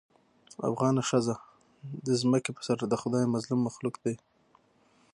افغانه ښځه د ځمکې په سر دخدای مظلوم مخلوق دې